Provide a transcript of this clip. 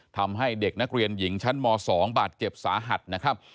ทำให้เด็กนักเรียนหญิงชั้นม๒บาดเจ็บสาหัสนะครับ